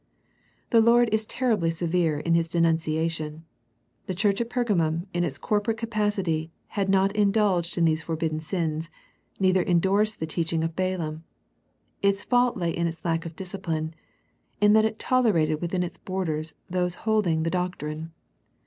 The Lord is terribly severe in His denuncia tion. The church at Pergamum in its cor porate capacity had not indulged in these for bidden sins, neither endorsed the teaching of Balaam. Its fault lay in its lack of discipline, in that it tolerated within its borders those holding the doctrine.